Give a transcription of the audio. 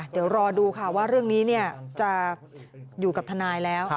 เดี๋ยวรอดูค่ะว่าเรื่องนี้จะอยู่กับทนายแล้ว